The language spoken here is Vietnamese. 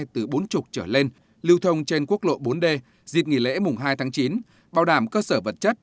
từ bốn mươi trở lên lưu thông trên quốc lộ bốn d dịp nghỉ lễ mùng hai tháng chín bảo đảm cơ sở vật chất